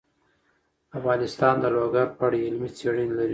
افغانستان د لوگر په اړه علمي څېړنې لري.